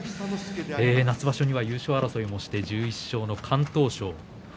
夏場所には優勝を争いをして１１勝の敢闘賞。